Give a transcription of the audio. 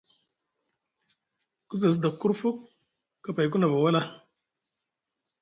Ku za sda kurfuk kapay ku nava wala.